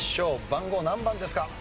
番号何番ですか？